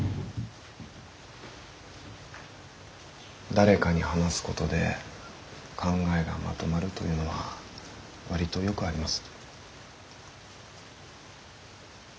誰かに話すことで考えがまとまるというのは割とよくあります。